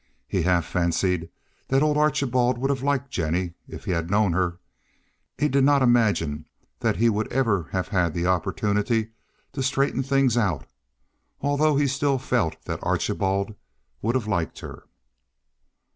He half fancied that old Archibald would have liked Jennie if he had known her. He did not imagine that he would ever have had the opportunity to straighten things out, although he still felt that Archibald would have liked her.